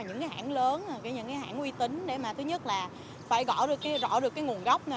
những cái hãng lớn những cái hãng uy tín để mà thứ nhất là phải gõ được rõ được cái nguồn gốc